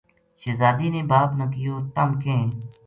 شہزادی نے باپ نا کہیو " تم کہیں